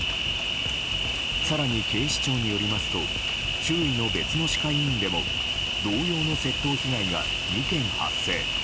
更に、警視庁によりますと周囲の別の歯科医院でも同様の窃盗被害が２件発生。